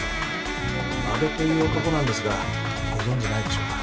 阿部という男なんですがご存じないでしょうか？